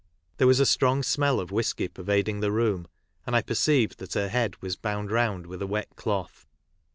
There was a strong smell of whisky pervading the room, and I perceived that her head was bound round with a wet cloth.